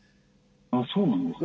そうなんですか？